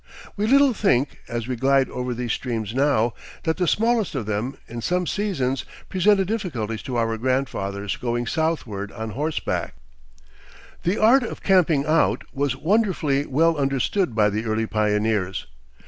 We little think, as we glide over these streams now, that the smallest of them, in some seasons, presented difficulties to our grandfathers going southward on horseback. The art of camping out was wonderfully well understood by the early pioneers.